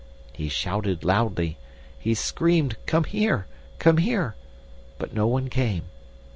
He shouted loudly; he screamed, 'Come here! come here!' but no one came.